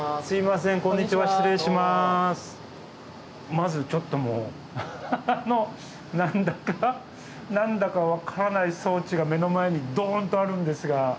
まずちょっともう何だか何だか分からない装置が目の前にドーンとあるんですが。